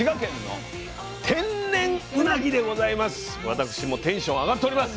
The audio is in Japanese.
私もテンション上がっております。